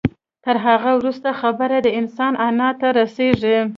تر هغه وروسته خبره د انسان انا ته رسېږي.